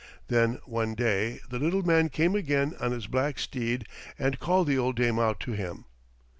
Then one day the little man came again on his black steed and called the old dame out to him.